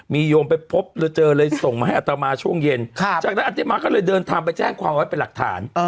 มีโยมไปพบหรือเจอเลยส่งมาให้อัตมาช่วงเย็นจากนั้นอัตมาก็เลยเดินทางไปแจ้งความไว้เป็นหลักฐาน